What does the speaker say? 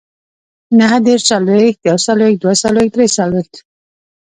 نههدېرش، څلوېښت، يوڅلوېښت، دوهڅلوېښت، دريڅلوېښت